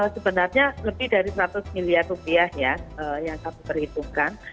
sebenarnya lebih dari seratus miliar rupiah ya yang kami perhitungkan